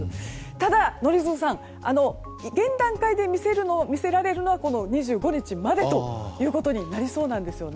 ただ、宜嗣さん現段階で見せられるのは２５日までということになりそうなんです。